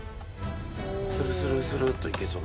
スルスルスルっといけそうな。